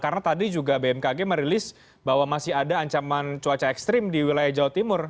karena tadi juga bmkg merilis bahwa masih ada ancaman cuaca ekstrim di wilayah jawa timur